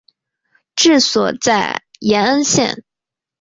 治所在延恩县。